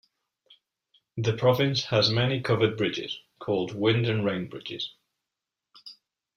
The province has many covered bridges, called "Wind and Rain Bridges".